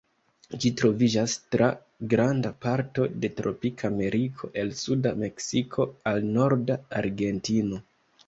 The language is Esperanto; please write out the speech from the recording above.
Ĝi troviĝas tra granda parto de tropika Ameriko, el suda Meksiko al norda Argentino.